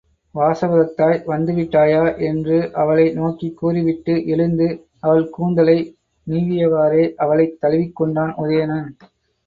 வாசவதத்தாய் வந்துவிட்டாயா? என்று அவளை நோக்கிக் கூறிவிட்டு எழுந்து, அவள் கூந்தலை நீவியவாறே அவளைத் தழுவிக் கொண்டான் உதயணன்.